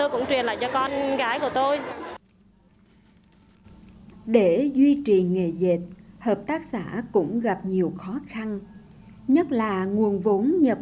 để lại cho con gái của tôi để duy trì nghề dệt hợp tác xã cũng gặp nhiều khó khăn nhất là nguồn vốn nhập